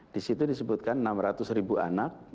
di situ disebutkan enam ratus ribu anak